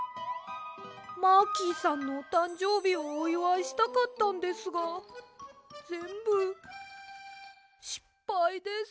マーキーさんのおたんじょうびをおいわいしたかったんですがぜんぶしっぱいです。